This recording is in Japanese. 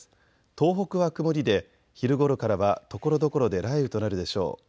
東北は曇りで昼ごろからはところどころで雷雨となるでしょう。